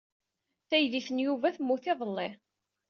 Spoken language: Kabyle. Taydit n Yuba temmut iḍelli.